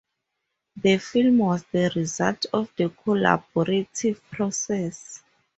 The film was the result of the collaborative process.